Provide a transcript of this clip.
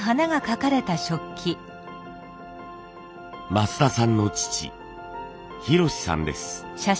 増田さんの父博さんです。